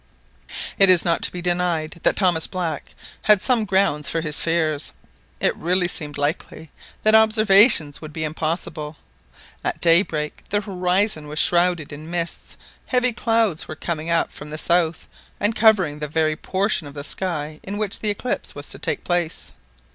It is not to be denied that Thomas Black had some grounds for his fears. It really seemed likely that observations would be impossible. At daybreak the horizon was shrouded in mists Heavy clouds were coming up from the south, and covering the very portion of the sky in which the eclipse was to take place.